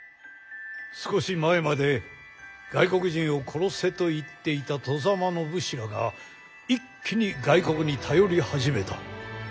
少し前まで「外国人を殺せ」と言っていた外様の武士らが一気に外国に頼り始めた。